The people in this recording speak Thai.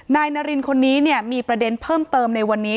นายนารินคนนี้มีประเด็นเพิ่มเติมในวันนี้